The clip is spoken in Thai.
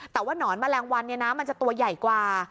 แต่ว่านอนมะแรงวันมันจะตัวใหญ่กว่า